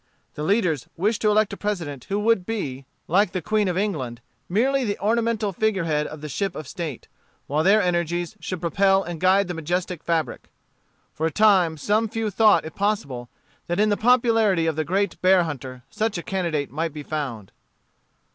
The leaders wished to elect a President who would be, like the Queen of England, merely the ornamental figure head of the ship of state, while their energies should propel and guide the majestic fabric. For a time some few thought it possible that in the popularity of the great bear hunter such a candidate might be found.